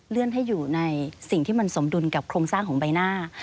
ให้อยู่ในสิ่งที่มันสมดุลกับโครงสร้างของใบหน้า